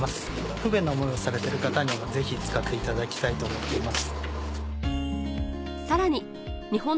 不便な思いをされてる方にはぜひ使っていただきたいと思っています。